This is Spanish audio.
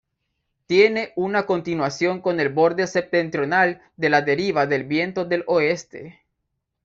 Tiene una continuación con el borde septentrional de la Deriva del Viento del Oeste.